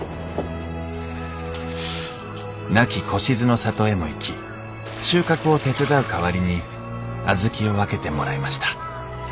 亡き小しずの里へも行き収穫を手伝う代わりに小豆を分けてもらいました